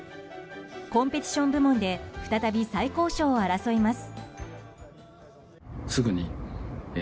コンペティション部門で再び最高賞を争います。